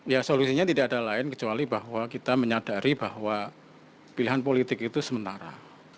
ya solusinya tidak ada lain kecuali bahwa kita menyadari bahwa pilihan politik itu sementara